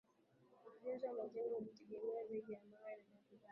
Ujenzi wa majengo yao ulitegemea zaidi mawe na matumbawe